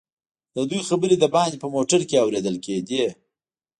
ددوئ خبرې دباندې په موټر کې اورېدل کېدې.